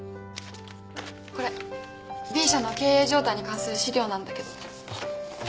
これＢ社の経営状態に関する資料なんだけど。